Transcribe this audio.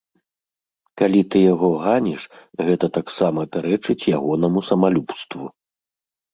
Калі ты яго ганіш, гэта таксама пярэчыць ягонаму самалюбству.